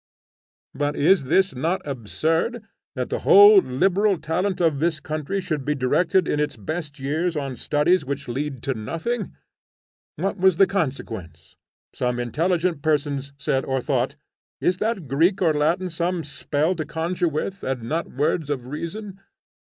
But is not this absurd, that the whole liberal talent of this country should be directed in its best years on studies which lead to nothing? What was the consequence? Some intelligent persons said or thought, 'Is that Greek and Latin some spell to conjure with, and not words of reason?